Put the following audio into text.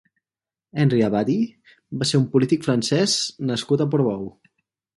Henri Abbadie va ser un polític francès nascut a Portbou.